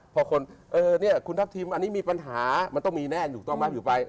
พอคนเออเนี่ยคุณทัพทิมอันนี้มีปัญหามันต้องมีแน่ถูกต้องไหมอยู่ไป